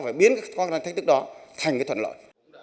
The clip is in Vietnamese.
phải biến những khó khăn thách thức đó thành thuận lợi